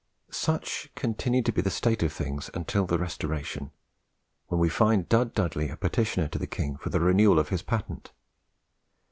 Such continued to be the state of things until the Restoration, when we find Dud Dudley a petitioner to the king for the renewal of his patent.